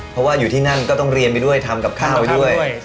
เพราะว่าอยู่ที่นั่นก็ต้องเรียนไปด้วยทำกับข้าวไปด้วย